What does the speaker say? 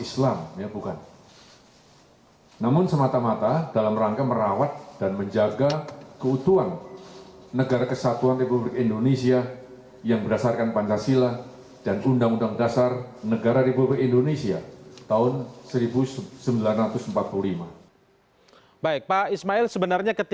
jika ajaran islam itu berkembang di tengah masyarakat lalu masyarakat itu mengendaki perubahan sesuai dengan ajaran itu maka itu adalah hak masyarakat